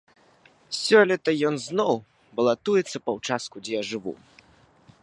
Сёлета ён зноў балатуецца па ўчастку, дзе я жыву.